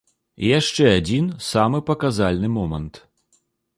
І яшчэ адзін, самы паказальны момант.